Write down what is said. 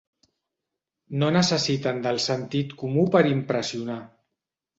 No necessiten del sentit comú per impressionar.